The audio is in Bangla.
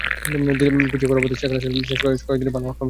পিছিয়ে পড়া অবস্থায় শেখ রাসেল শেষ দিকে কয়েকটি ভালো আক্রমণ করেছে।